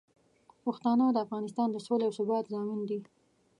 پښتانه د افغانستان د سولې او ثبات ضامن دي.